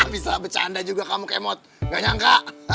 bisa bercanda juga kamu kemot nggak nyangka